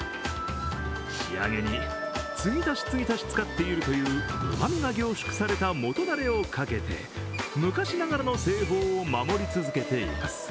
仕上げに継ぎ足し継ぎ足し使っているという、うまみが凝縮されたもとだれをかけて昔ながらの製法を守り続けています。